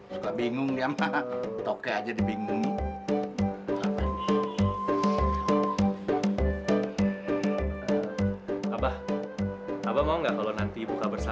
sampai jumpa di video selanjutnya